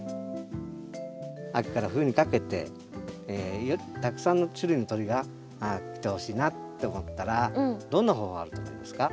秋から冬にかけてたくさんの種類の鳥が来てほしいなって思ったらどんな方法あると思いますか？